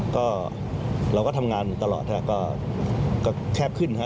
ก็เราก็ทำงานตลอดนะฮะก็แคบขึ้นนะฮะ